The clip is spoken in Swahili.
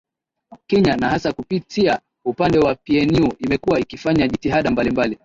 kenya na hasa kupitia upande wa pnu imekuwa ikifanya jitihada mbalimbali